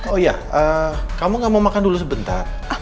oh iya kamu gak mau makan dulu sebentar